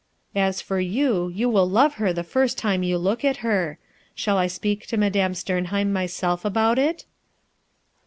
As for you, you will love her the first time you look at her. Shall I sj)eak to Madame Sternheim myself about it?"